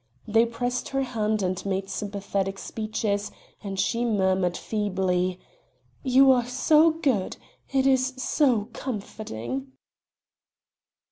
They pressed her hand and made sympathetic speeches and she murmured feebly: "You are so good it is so comforting."